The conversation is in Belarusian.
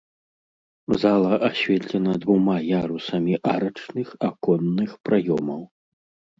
Зала асветлена двума ярусамі арачных аконных праёмаў.